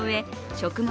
食物